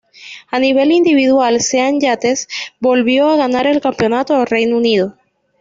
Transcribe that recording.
A nivel individual, Sean Yates volvió a ganar el Campeonato del Reino Unido.